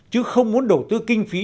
chứ không muốn đầu tư kinh phí